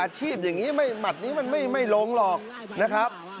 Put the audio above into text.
อย่างนี้หมัดนี้มันไม่ลงหรอกนะครับ